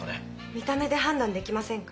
見た目で判断できませんか？